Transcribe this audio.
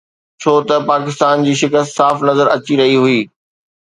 ڇو ته پاڪستان جي شڪست صاف نظر اچي رهي هئي